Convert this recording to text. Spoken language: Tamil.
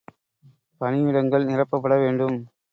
பணியிடங்கள் நிரப்பப்பட வேண்டும்!